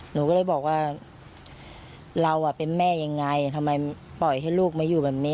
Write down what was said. หนูก็เลยบอกว่าเราเป็นแม่ยังไงทำไมปล่อยให้ลูกมาอยู่แบบนี้